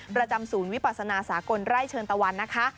ประจำศูนย์วิปัสนาสากลไร่เชิญตะวันนะคะ